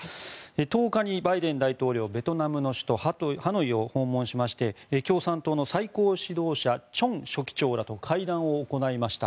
１０日にバイデン大統領ベトナムの首都ハノイを訪問しまして共産党の最高指導者チョン書記長らと会談を行いました。